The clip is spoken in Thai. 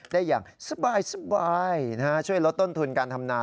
ได้อย่างสบายช่วยลดต้นทุนการทำนา